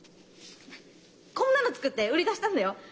こんなの作って売り出したんだよ。